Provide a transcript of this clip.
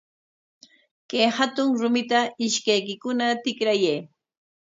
Kay hatun rumita ishkaykikuna tikrayay.